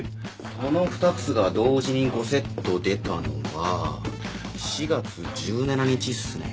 その２つが同時に５セット出たのは４月１７日っすね。